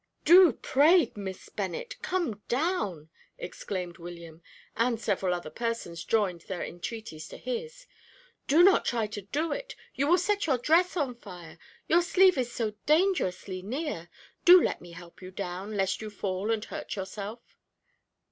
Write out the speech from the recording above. "Do, pray, Miss Bennet, come down!" exclaimed William, and several other persons joined their entreaties to his. "Do not try to do it; you will set your dress on fire your sleeve is so dangerously near. Do let me help you down, lest you fall and hurt yourself."